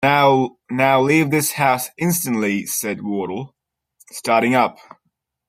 ‘Now, leave this house instantly!’ said Wardle, starting up.